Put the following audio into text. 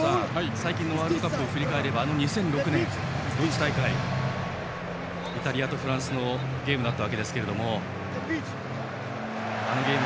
最近のワールドカップを振り返ると２００６年のドイツ大会イタリアとフランスのゲームでしたが。